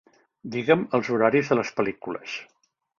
Digue'm els horaris de les pel·lícules.